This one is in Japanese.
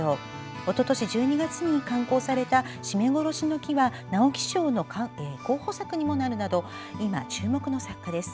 おととし１２月に刊行された「絞め殺しの樹」は直木賞の候補作にもなるなど今、注目の作家です。